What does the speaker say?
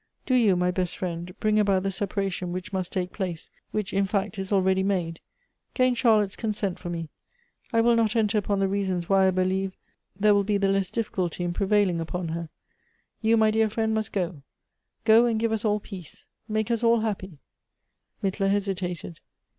^ Do you, my best friend, bring about the separation which must take place, which, in fact, is already made; gain Charlotte's consent for me. I will not enter upon the reasons why I believe there will be the less difficulty in prevailing upon her. You, my dear fiiend, must go. Go, and give us all peace ; make us all happy." Mittler hesitated.